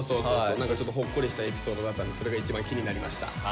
何かちょっとほっこりしたエピソードだったんでそれが一番気になりました。